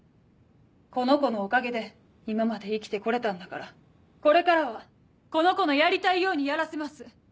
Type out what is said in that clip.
この子のおかげで今まで生きて来れたんだからこれからはこの子のやりたいようにやらせます。